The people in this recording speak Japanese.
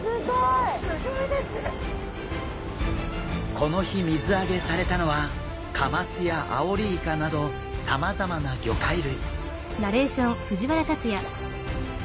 この日水揚げされたのはカマスやアオリイカなどさまざまな魚介類。